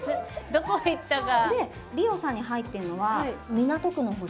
どこ行ったか。